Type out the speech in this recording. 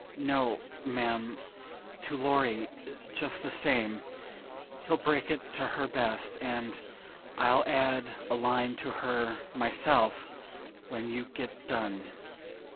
"No, ma'am; to Laurie just the same; he'll break it to her best, and I'll add a line to her myself when you get done."